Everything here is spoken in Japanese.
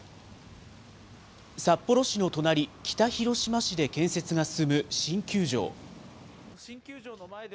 札幌市の隣、北広島市で建設が進む新球場。